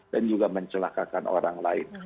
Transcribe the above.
dan juga mencelakakan orang lain